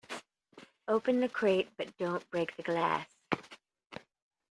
Open the crate but don't break the glass.